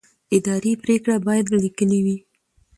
اداري پرېکړې باید لیکلې وي.